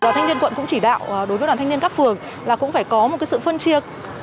đoàn thanh niên quận cũng chỉ đạo đối với đoàn thanh niên các phường là cũng phải có một sự phân chia